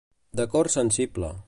De cor sensible.